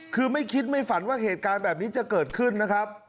คือไม่คิดไม่ฝันว่าเหตุการณ์แบบนี้จะเกิดขึ้นนะครับ